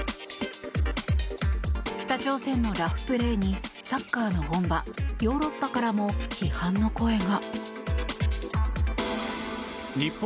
北朝鮮のラフプレーにサッカーの本場ヨーロッパからも批判の声が。